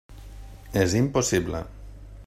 És impossible.